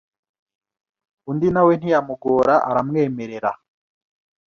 undi nawe ntiyamugora aramwemerera.